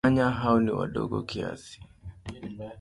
Panya hao ni wadogo kiasi.